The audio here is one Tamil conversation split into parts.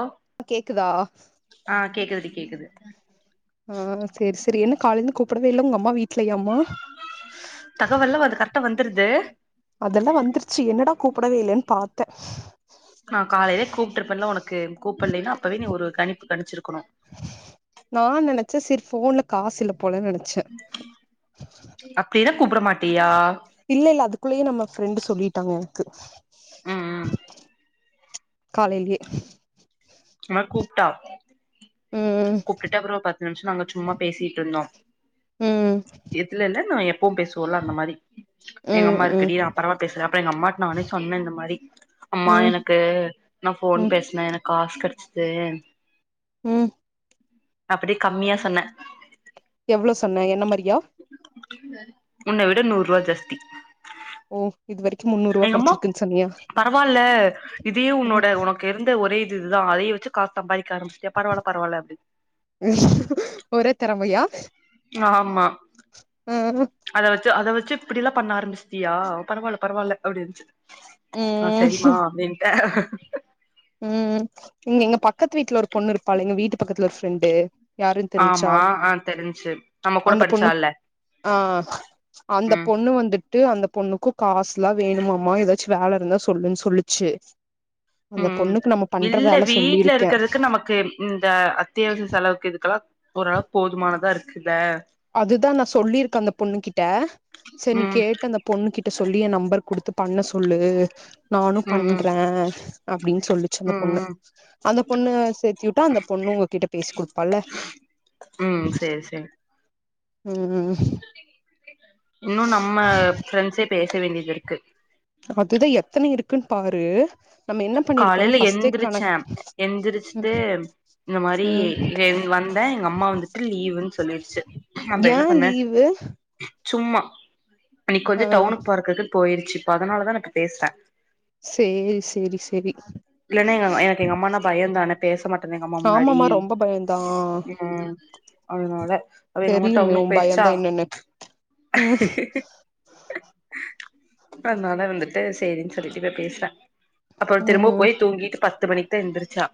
ஆ கேக்குதா ஆ கேக்குது டி கேக்குது ஆ சேரி சேரி என்ன காலந்து கூப்டவே இல்ல உங்கம்மா வீட்ல யாம்மா தகவெல்லா அது கரெக்டா வந்துருது அதெல்லா வந்துருச்சு என்னடா கூப்டவே இல்லன்னு பாத்தே நா காலையிலே கூப்ட்டுருப்பேன்ல உனக்கு கூப்டலன்னா அப்பவே நீ ஒரு கனிப்பு கணிச்சிருக்கணு நா நெனைச்சே சேரி போன்ல காசு இல்ல போல நெனைச்சே அப்டிதா கூப்ட மாட்டியா இல்ல இல்ல அதுக்குல்லையே நம்ம ஃப்ரெண்டு சொல்லிட்டாங்க எனக்கு ம் ம் காலயிலையே அவ கூப்ட்டா ம் கூப்ட்டுட்டு அப்பற பத்து நிமிஷ நாங்க சும்மா பேசிட்ருந்தோ ம் இதுல இல்ல நா எப்பவு பேசுவோலா அந்த மாரி ம் எங்கம்மா இருக்குடி ம் அப்பற பேசுறப்ப எங்கம்மகிட்ட நானே சொன்னே இந்த மாரி அம்மா ம் எனக்கு நா போன் ம் பேசினே எனக்கு காசு கெடைச்சுது ம் அப்படி கம்மியா சொன்னே எவ்ளோ சொன்ன என்னமாரியா முன்ன விட நூரூவா ஜாஸ்தி ஓ இதுவரைக் எங்கம்மாப் பரவாயில்ல இதே உன்னோட உனக் இருந்த ஒர இது இதுதா அதைய வச்சு காச சம்பதிக்க ஆரம்பிச்சுடியா பரவலா பரவலா அப்டின்னு ஒரே தெறமையா ஆமா ம் ம் அத வச்சு அத வச்சு இப்படில்லா பண்ண ஆரம்பிச்சுடியா பரவால்ல பரவால்ல அப்படின்ச்சு ஆ ம் சரிமா அப்டின்ட்டே ம் இங்க எங்க பக்கத்து வீட்ல ஒரு பொண்ணு இருப்பாலுங்க வீட்டு பக்கத்துல ஒரு ப்ரெண்டு ஆமா ஆ தெரிஞ்சு நம்ம கூட அந்த பொண்ணு படிச்சால ஆ அந்த பொண்ணு வந்துட் ட்டு அந்த பொண்ணுக்கு காசுலா வேணுமாமா ஏதாச்சு வேல இருந்தா சொல்லுன்னு சொல்லிச்சு ம் ம் இல்ல வீட்டுல சொல்லியிருக்கே இருக்குறதுக்கு நமக்கு இந்த அத்தியாவசிய செலவுக்கு இதுக்கெல்லா ஓரளவுக்கு போதுமானதா இருக்குல அதுதா நா சொல்லிருக்கே அந்த பொண்ணு கிட்ட சரி நீ ம் கேட்டு அந்த பொண்ணு கிட்ட சொல்லி எ நம்பர் குடுத்து பண்ணசொல்லு நானு ம் ம் பண்றே அப்படின்னு சொல்லுச்சு அந்த ம் பொண்ணு அந்த பொண்ணு சேத்திவிட்டா அந்த பொண்ணு உங்ககிட்ட பேசி குடுப்பால ம் சேரி சேரி ம் இன்னு நம்ம ப்ரண்ட்ஸே பேச வேண்டியது இருக்கு அதுதா எத்தன இருக்குன்னு பாரு நம்ம என்ன பண்ணிருக்கணு காலைல ஃபர்ஸ்டே எந்திரிச்சே கணக் எந்திரிச்சுட்டு இந்த மாரி ம் இவ வந்தே எங்கம்மா வந்துட்டு லீவுன்னு சொல்லிடுச்சு அப்ப என்ன பண்னே லீவு ஏ [unintelligible] சும்மா இன்னைக்கு ஆ கொஞ்ச டவுனு போறதுருக்கு போயிருச்சு இப்ப அதனாலதா இப்ப பேசுறே சே சேரி சேரி பயந்தான பேச மாட்டென்னா எங்கம்மா முன்னாடி ஆமாமா ரொம்ப பயந்தா ம் அதனால அவ எங்க அம்மா தெரியுமே ஊ டவுனுக்கு போயிருச்சா பயந்தா என்னன்னு ம் அதனால வந்துட்டு சேரின் சொல்லிட்டு இப்ப பேசுறே அப்பறோ திரும்புவு ம் போய் தூங்கிட்டு பத்து மணி தெ எந்திரிச்சா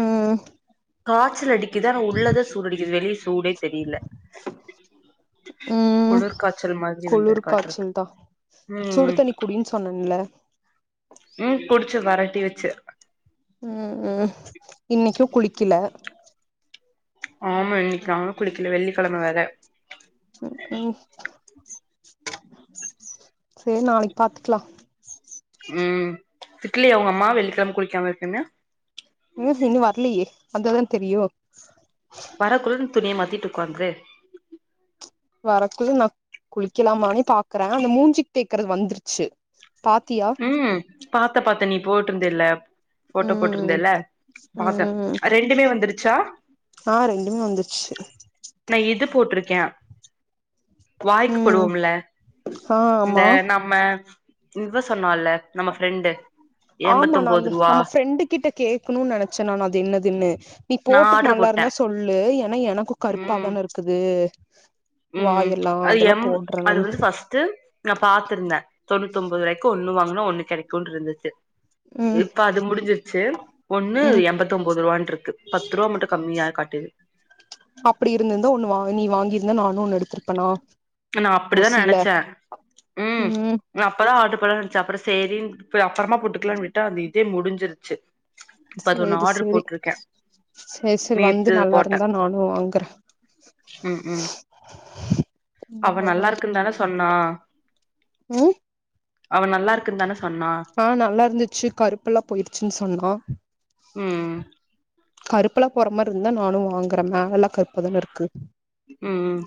ம் காச்சல் அடி க்கிதான உள்ளதா சூடு அடிக்குது வெளிய சூடே தெரியல ம் குளுர் காச்சல் மாரி குளிர் வந்துருகாட்ருக்கு ம் ம் இன் சொன்னேன்ல்ல ம் குடிச்சு வரட்டி வச்சு ம் ம் இன்னிக்கு குளிக்கல ஆமா இன்னிக்கி நானு குளிக்கல வெள்ளிக்கெழம வேற ம் ம் சரி நாளைக் பாத்துக்கலா ம் திட்லியா உங்கம்மா வெள்ளிக்கெழம குளிக்காம இருக்குன்னு நியூஸ் இன்னு வர்லியே வந்த தா தெரியு மர குளுருன் துணிய மாத்திட்டுக்குக்காந்துரு வறக்குள்ள நா குளிக்கலாமானு பாக்குறே அந்த மூஞ்சிக்கு தேக்கறது வந்துருச்சு பாத்தியா ம் பாத்த பாத்த நீ போட்ருந்தல ஃபோட்டோ ம் போட்ருந்தல்ல பாத்தே ம் ரெண்டுமே வந்துருச்சா ஆ ரெண்டுமே வந்துர்ச்சு நா இது போட்ருக்கே ம் வாய்க்குப்படுவோம்ல ஆ ஆமா இந்த நம்ம இவ சொன்னால நம்ம ஃப்ரெண்டு ஆமா நா எம்பத்தொம்போது அந்தஃப் ரூவா நம்ம ஃப்ரெண்டு கிட்ட கேட்கணு நெனைச்சே நா அது என்னதுன்னு நீ நா போட்டுட்டு ஆர்டர் நல்லா போட்டே இருந்தா சொல்லு ஏன்னா எனக்கு ம் கருப்பாதான இருக் க்குது வாயெல்லா அதெல்லா போட்ற நானு து நா பாத்திருந்தே தொண்ணூத்து ஒம்போது ரூவாய்க்கு ஒண்ணு வாங்குனா ஒண்ணு கெடைக்குண்டுருந்தது ம் இப்ப அது முடிஞ்சிருச்சு ஒண்ணு ம் எம்பத்தொம்பது ரூபான்ருக்கு பத்து ரூபா மட்டு கம்மியா காட்டுது அப்படி இருந்துந்தா ஒண்ணு வா நீ வாங்கியிருந்த நானு ஒண்ணு எடுத்திருப்பனா நா ஓ அப்படிதா சீல நெனைச்சே ம் ந அப்பதா ஆடர் போலா நென்ச்ச அப்றோ சேரின்னு பே அப்பறமா போட்டுக்கலான் விட்டா அந்த இதே முடிஞ்சிருச்சு இப்ப அது ஒண்ணு சேரி ஆர்டர் சேரி போட்ருக்க சரி சரி வந்து நேத்து போட்ட நல்லாருந்தா நானு வாங்குறே ம் ம் அவ நல்லாருக்குன் தான சொன்னா ம் அவ நல்லா இருக்குன் தான சொன்னா ஆ நல்லா இருந்துச்சு கருப்புல்லா போயிருச்சுன்னு சொன்னா ம் கருப்ல்லா போற மாரி இருந்தா நானு வாங்குற மேவல்லா கருப்பாதான இருக்கு ம்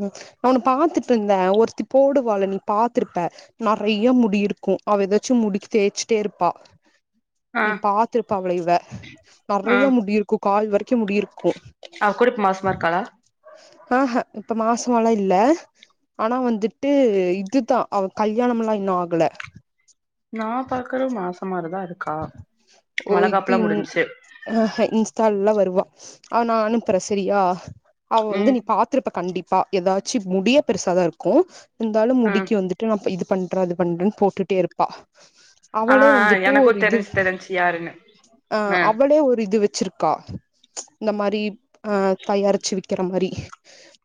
ம் அவனு பாத்துட்டுருந்தே ஒருத்தி போடுவால நீ பாத்துருப்ப நறைய முடி இருக்கு அவ ஏதாச்சு முடி தேய்ச்சுட்டே இருப்பா ஆ நீ பாத்துருப்ப அவள இவ ஆ நறையா முடி இருக்கு கால் வரைக்கு முடி இருக்கு அவ கூர இப் மாசமா இருக்காளா ஆஹ இப்ப மாசமாலா இல்ல ஆனா வந்துட்டு இதுதா அவ கல்யாணமல்லா இன்னும் ஆகல நா பாக்குற மாச மாரிதா இரு ஓ இதுங் ஆஹ இன்ஸ்டால்லா வருவா அவ நா அனுப்புற செரியா அவ வந்து ம் நீ பாத் ருப்ப கண்டிப்பா ஏதாச்சு முடியே பெருசாதா இருக்கு இருந்தாலு ம் முடிக்கு வந்து ட்ரு நா இது பண்ற அது பண்றேன்னு போட்டுட்டே இருப்பா ஆ அவளே ஆ வந்து ட்டு எனக்கு ஒரு இது தெரிஞ்சு தெரிஞ்சு யாருன்னு ஆ அவளே ஒரு இது வச்சிரு க்கா இந்த மாரி ஆ தயாரிச்சு விக்கிற மாரி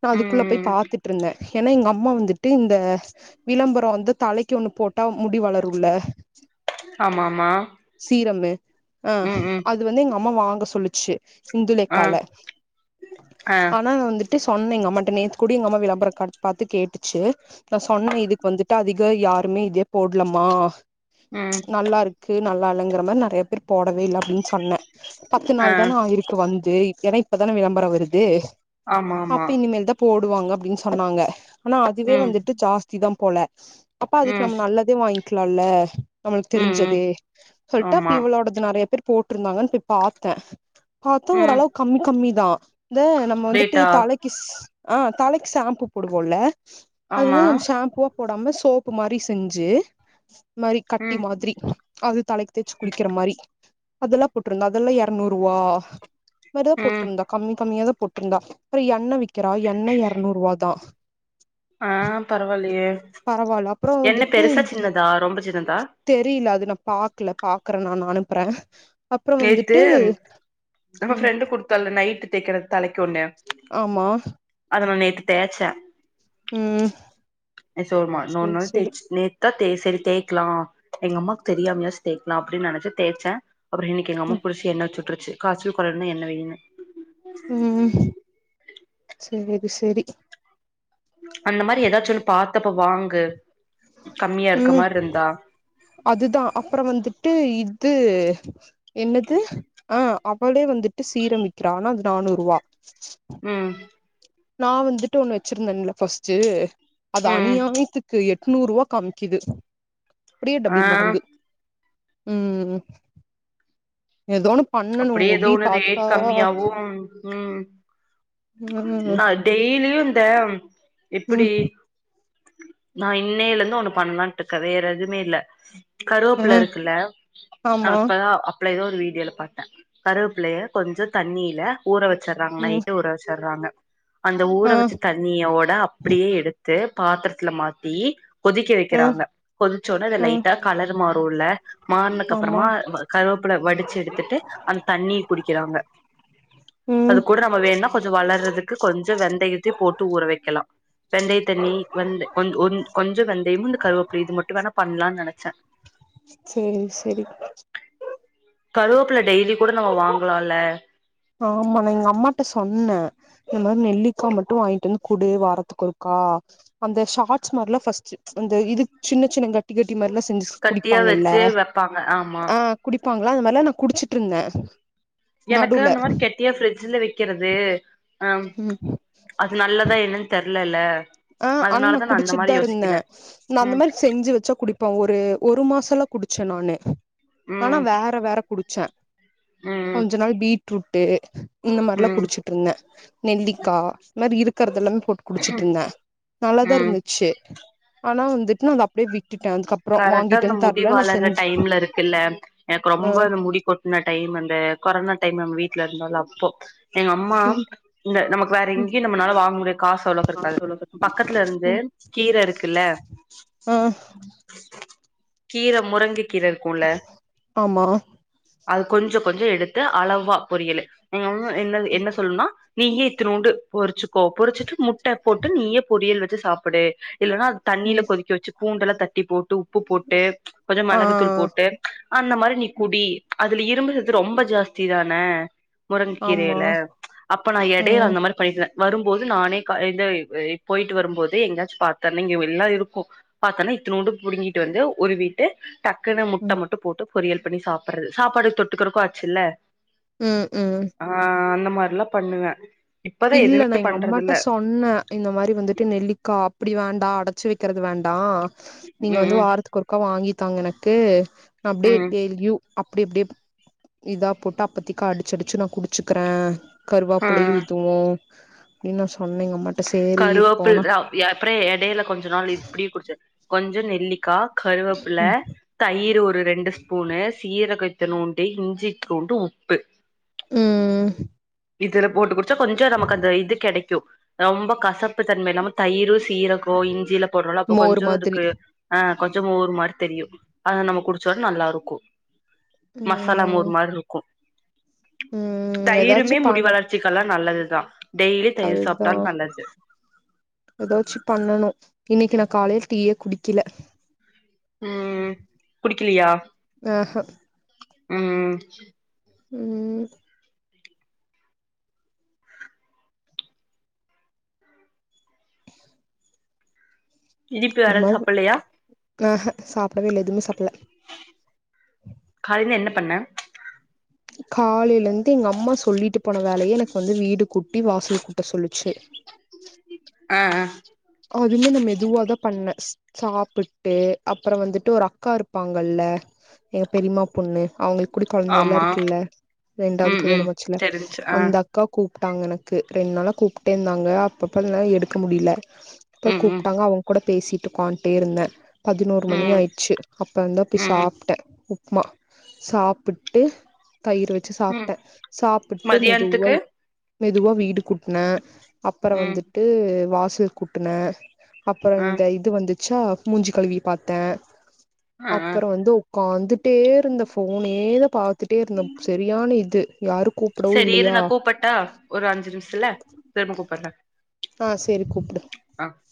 நா ம் அதுக்குள்ள போய் ம் பாத்துட்டு இருந்த ஏன்னா எங்க அம்மா வந்துட்டு இந்த விளம்பரோ வந்து தலைக்கு ஒன்னு போட்டா முடி வளரும்ல ஆமா ஆமா சீரம்மு ஆ ம் ம் அது வந்து எங்க அம்மா வாங்க சொல்லிச்சு ஆ இந்துலேக்கால ஆ ஆனா நா வந்துட் டு சொன்னே எங்க அம்மாட்ட நேத்து கூடி எங்க அம்மா விளம்பர காட் பாத்து கேட்டுச்சு நா சொன்னே இதுக்கு வந்துட்டு அதிக யாருமே இதே போட்லமா ம் நல்லாருக்கு நல்லா இல்லங்கற மாரி நெறைய பேர் போடவே இல்ல அப்டின்னு சொன்ன பத்து ஆ நாள் தான ஆயிருக் கு வந்து ஏன்னா இப்ப தான விளம்பரம் வருது ஆமா ஆமா அப்ப இனிமேல் தா போடுவாங்க அப்டின்னு சொன்னாங்க ஆனா அதுவே ம் வந்துட்டு ஜாஸ்தி தா போல அப்ப அதுக்கு ம் நம்ம நல்ல தே வாங்கிக்கலால்ல நம்மளுக்கு ம் ம் தெரிஞ்சதே சொல்ட்டு அப்ப ஆமா இவளோட இது நெறைய பேர் போட்ருந்தாங்கன்னு போய் பாத்த பாத்தா ம் ஓரளவுக் கம்மி கம்மி தா இந்த நம்ம வந்துட்டு டேட்டா தலைக் கிஷ் ஆ தலைக்கு ஷாம்பு போடுவோம்ல அது ஆமா வந்து நம் ஷாம்புவா போடாம சோப்பு மாரி செஞ்சு மாரி கட்டி ம் மாதிரி அது தலைக்கு தேய்ச்சு குளிக்கிற மாரி அதெல்லா போட்ருந்த அதெல்லா எரநூறுவா மாரிதா ம் போட்ருந்தா கம்மி கம்மியாதா போட்ருந்தா அப்ற எண்ணெ விக்கிறா எண்ணெ எரநூறுவாதா ஆ பரவாயில்லியே பரவால்ல அப்றோ எண்ணெ பெருசா சின்னதா ரொம்ப சின்னதா தெரியல அது நா பாக்கல பாக்குற நானு அனுப்புற நேத்து நம்ம ம் ஃப்ரெண்டு் குடுத்தால்ல நைட்டு தேக்கற தலைக்கு ஒன்னு ஆமா அத நா நேத்து தேச்ச ம் நீ சொல்மா இன்னொரு சேரி நாள் சேரி தேச்சு நேத் நா சேரி தேய்க்கலா எங்க அம்மாவுக்கு தெரியாமையாச்சு தேய்க்கலா அப்டின்னு நெனைச்சு தேச்ச அப்புற இன்னைக்கு எங்க அம்மா ம் புடிச்சு எண்ண வெச்சு விட்டுருச்சு காய்ச்சல் கொறையணுன்னா எண்ண வெய்னு ம் சேரி சேரி அந்த மாரி ஏதாச்சு ஒன்னு பாத்தப்ப வாங்கு கம்மியா இருக்க ம் மாரி இருந்தா அதுதா அப்புறம் வந்துட்டு இது என்னது ஆ அவளே வந்துட்டு சீரம் விக்கிறா ஆனா அது நானூறுவா ம் நா வந்துட்டு ஒண்ணு வச்சிருந்தேன்ல ஃபர்ஸ்ட்டு அது ம் அநியாயத்துக்கு எ நூரூவா காமிக்குது அப்டியே ஆ டபுள் மடங்கு ம் ஏதோன்னு பண்ணணு அப்டியே ஏதோ முடி ஒன்னு ரேட் பாத்தா கம்மியாவு ம் ம் நா டெய்லியும் இந்த எப்படி ம் நா இன்னைல இருந்து ஒண்ணு பண்ணலான்ட்டு இருக்கே வேற எதுவுமே இல்ல கருவேப்புல ம் இருக்குல்ல ஆமா அப்பதா அப்பல ஏதோ ஒரு வீடியோல பாத்தே கருவேப்பல்லைய கொஞ்ச தண்ணியில ஊற வச்சர்றாங்க ம் நைட்டு ஊற வச்சர்றாங்க அந்த ஊற ஆ வச்சு தண்ணியோட அப்படியே எடுத்து பாத்ரத்துல மாத்தி கொதிக்க ஆ வைக்கிறாங்க கொதிச்சொனே அத ஆ லைட்டா கலர் மாறுல்ல ஆமா மாறினக்கப்பறமா கருவப்பில வடிச்சு எடுத்துட்டு அந்த தண்ணி குடிக்கிறாங்க அது ம் கூட நம்ம வேணும்னா கொஞ்ச வளர்றதுக் கொஞ்ச வெந்தையத்தயு போட்டு ஊற வைக்கலா வெந்தய தண்ணி வெந்தை வெந்து கொஞ் கொஞ்ச வெந்தயமு இந்த கருவப்பல இது மட்டு வேணா பண்ணலான் நெனைச்சே சேரி சரி கருவேப்புல டெய்லி கூட நம்ம வாங்கலால ஆமா நா எங்கம்மாட்ட சொன்னே இந்த மா நெல்லிக்கா மட்டு வாங்கிட்டு வந்து குடு வாரத்துக்கு ஒருக்கா அந்த ஷார்ட்ஸ் மாரிலா பர்ஸ்ட்டு அந்த இது சின்ன சின்ன கட்டி கட்டி மாரிலா ஜூஸ் கட்டியா குடிப்பாங்கல்ல வச்சு வெப்பாங்க ஆமா ஆ குடிப்பாங்கல அந்த மாரிலா நா குடிச்சுட்ருந்தே எனக்கு அந்த மாரி கெட்டியா ஃபிரிட்ஜ்ல வைக்கிறது அம் ம் அப் இது நல்லதா என்னன் தெர்லல ஆ ஆனா நா குடிச்சிட்டுதா இருந்தே அந்த ம் மாரி செஞ்சு வச்சா குடிப் இப்ப ஒரு ஒரு மாசல்லா குடிச்சே நானு ஆனா ம் வேற வேற குடிச்சே ம் கொஞ்ச நாள் பீட்ரூட்டு இந்த மாரிலா ம் குடிச்சுட்ருந்தே நெல்லிக்கா இந்த மாரி இருக்கிறதெல்லாமே போட்டு குடிச்சிட்ருந்தே நல்ல தா ம் இருந்துச்சு ஆனா வந்துட்டு நா அத அப்படியே விட்டுட்டே அதுக்கப் கரெக்டா அந்த முடி வளர்ற டைம்ல இருக்குல்ல எனக்கு ஆ ரொம்ப அந்த முடி கொட் இந்த டைம் அந்த கொரோனா டைம் நம்ம வீட்டுல இருந்தோல அப்போ எங்கம்மா ம் இந்த நமக்கு வேற ம் எங்கேயு நம்மளால வாங்க முடியாது காசு அவ்வளவுக்கு ஆ இருக்காது சொல்லுங்க பக்கத்துல இருந்து ம் கீர இருக்குல ஆ கீர முருங்க கீர இருக்குல்ல ஆமா அது கொஞ்ச கொஞ்ச எடுத்து அளவா பொரியலு ங்க என்ன என்ன சொல்லனுனா நீயே இத்துனூண்டு பொரிச்சுக்கோ பொறிச்சிட்டு முட்ட போட்டு நீயே பொரியல் வச்சு சாப்பிடு இல்லன்னா அது தண்ணியில ம் கொதிக்க வச்சு பூண்டெல்லா தட்டி போட்டு உப்பு போட்டு கொஞ்ச ஆ மெளகுத்தூள் போட்டு அந்த மாரி நீ குடி அதுல இரும்புசத்து ரொம்ப ஜாஸ்தி தான முருங்க ஆமா கீரைல அப்ப நா எடையில ம் அந்த மாரி பண்ணிடுவே வரும்போது நானே க இந்த இது போயிட்டு வரும்போதே எங்கேயாச்சும பாத்தேனா இங்க எல்லா இருக்கு பாத்தனா இத்துனூண்டு புடுங்கிட்டு வந்து உருவிட்டு டக்குன்னு முட்ட ம் மட்டு போட்டு பொரியல் பண்ணி சாப்பறது சாப்பாடுக்கு தொட்டுக்கிறக்கு ஆச்சுல ம் ம் ஆ அந்த மாரிலா பண்ணுவே இப்பதா இல்ல நா எதுவுமே எங்க அம்மாட்ட பண்றதில்ல சொன் ன இந்த மாரி வந்துட்டு நெல்லிக்கா அப்டி வேண்டா அடைச்சு வைக்கிறது வேண்டா நீங்க ம் வந்து ம் வாரத்துக்கு ஒருக்கா வாங்கித்தாங்க எனக்கு அப்டியே ம் டெய்ல்யு அப்டி அப்டி இதா போட்டு அப்பத்திக்கு அடிச் அடிச்சு நா குடிச்சிக்கறே ஆ கருவாப்பிலயு ம் அப்டின் நா சொன்னே எங் அம்மாட் கருவாப்பில் ஆ யப்றே எடைல கொஞ்ச நாள் இப்டி குடிச்சே கொஞ்சோ நெல்லிக்கா கருவாப்பில ம் தயிர் ஒரு ரெண்டு ஸ்பூனு சீரகோ இத்துனூன்டு இஞ்சி, தூண்டு உப்பு ம் இதுல போட்டு குடிச்சா கொஞ்சோ நமக் அந்த இது கெடைக்கு ரொம்ப கசப்பு தன்ம இல்லாம தயிரு, சீரகோ, இஞ்சிலா போட்றோல அப்போ மோர் கொஞ்சோ மாதிரி இதுக்கு ஆ கொஞ்சோ மோர் மாரி தெரியு அத்னா நம்ம குடிச்சோன் நல்லாருக்கு மசாலா ம் மோர் மார்ருக்கு ம் எதாச்சி முடி வளர்ச்சிக்கல்லா நல்லது தா டெய்லி தயிர் சாப்ட்டால் நல்லது எதாச்சு பண்ணனு இன்னைக் நா காலைல் டீயே குடிக்கில ம் குடிக்கிலயா ஹேஹும் ம் ம் இனிப்பு வேற எது சாப்பல்லயா ஹேஹும் சாப்டவே இல்ல எதுமே சாப்பில்ல காலைல என்ன பண்ண காலைலிந்து எங்கம்மா சொல்லிட்டு போன வேலையே எனக் வந்து வீடு கூட்டி வாசல் கூட்ட சொல்லுச்சி ஆ ஆ அதுமே நம் மெதுவாதா பண்ணே சாப்புட்டு அப்பறோ வந்துட்டு ஒரு அக்கா இருப்பாங்கல்ல ஏ பெரிம்மா பொண்ணு அவுங்ள்க் கூடி கொழந்தைல்லா ஆமா இருக்குல்ல ரெண்டாவ்து ம் ம் கல்யாணம் ஆச்சுல்ல தெரிஞ்சு ஆ அந்த அக்கா கூப்ட்டாங்க எனக்கு ரெண் நாளா கூப்ட்டே இருந்தாங்க அப்ப பண்ண எடுக்க முடியில அப்றோ ம் ம் கூப்ட்டாங்க அவுங் கூட பேசிட்டு ஒக்காந்ட்டே இருந்தே பதினோரு மணி ம் ஆயிட்ச்சி அப்பறந்தா போய் ம் சாப்ட்டே உப் மா சாப்பிட்டு தயிர் வெ ச்சி ம் சாப்ட்டே சாப்பிட்டு மெதுவா மதியானத்துக்கு மெதுவா வீடு கூட்னே அப்பறோ ம் வந்துட்டு வாசல் கூட்டுனே அப்பறோ ஆ இந்த இது வந்து ச்சா மூஞ்சி கழுவி பாத்தே ஆ ஆ அப்பறோ வந்து ஒக்காந்துட்டே இருந்தே ஃபோனே தா பாத்துட்டே இருந்தே செரியான இது யாரு கூப் சரி இரு நா கூப்பட்டா ஒரு அஞ்சு நிம்ஷ்த்துல திரும்ப கூப்பட்றே ஆ சேரி கூப்டு அ